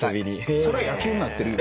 それ野球になってるよ。